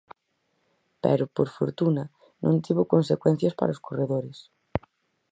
Pero por fortuna, non tivo consecuencias para os corredores.